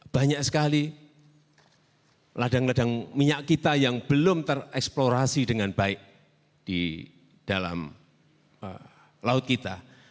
banyak sekali ladang ladang minyak kita yang belum tereksplorasi dengan baik di dalam laut kita